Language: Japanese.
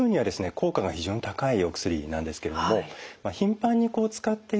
効果が非常に高いお薬なんですけれども頻繁に使っているとですね